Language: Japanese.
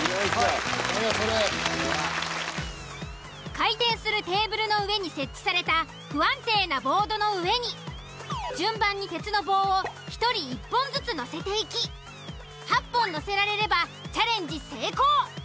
回転するテーブルの上に設置された不安定なボードの上に順番に鉄の棒を１人１本ずつ乗せていき８本乗せられればチャレンジ成功。